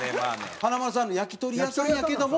華丸さんの焼き鳥屋さんやけども。